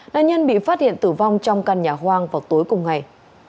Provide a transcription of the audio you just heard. nạn nhân bị phát hiện tử vong trong căn nhà hoang vào tối cùng ngày